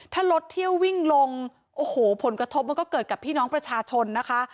ถ้ารถเที่ยววิ่งลงโอ้โหผลกระทบมันก็เกิดกับพี่น้องประชาชนนะคะ